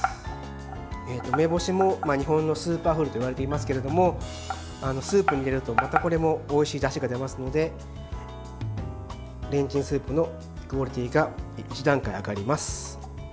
梅干しも日本のスーパーフードといわれていますがスープに入れると、またこれもおいしいだしが出ますのでレンチンスープのクオリティーが１段階、上がります。